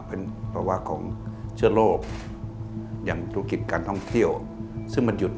เป็นภาวะของเชื้อโรคอย่างธุรกิจการท่องเที่ยวซึ่งมันหยุด